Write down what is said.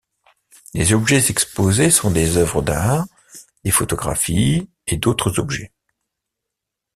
Les objets exposés sont des œuvres d'art, des photographies et d'autres objets.